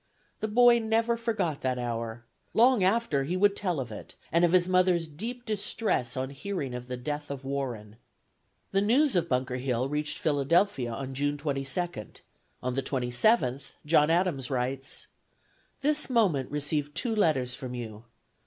The boy never forgot that hour. Long after he would tell of it, and of his mother's deep distress on hearing of the death of Warren. The news of Bunker Hill reached Philadelphia on June 22d: on the 27th, John Adams writes: "This moment received two letters from you.